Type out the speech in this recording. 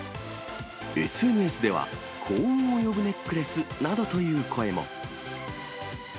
ＳＮＳでは、幸運を呼ぶネックレスなどという声も。